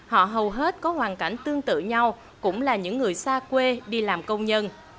họ hầu hết có hoàn cảnh tương tự nhau cũng là những người xa quê đi làm công nhân